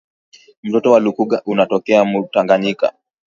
Mtoni wa lukuga unatokea mu tanganika